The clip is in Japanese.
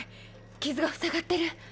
傷が塞がってる。